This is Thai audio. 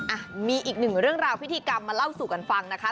อ่ะมีอีกหนึ่งเรื่องราวพิธีกรรมมาเล่าสู่กันฟังนะคะ